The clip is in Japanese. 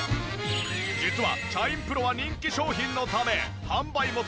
実はシャインプロは人気商品のため販売元